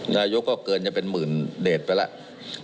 นายโยคก็เกินจนเป็นหมื่นเดชไปหรือ